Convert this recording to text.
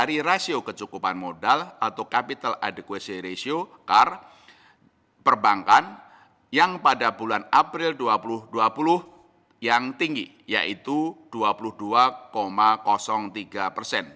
dari rasio kecukupan modal atau capital adequestion ratio car perbankan yang pada bulan april dua ribu dua puluh yang tinggi yaitu dua puluh dua tiga persen